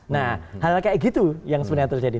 nah hal kayak gitu yang sebenarnya terjadi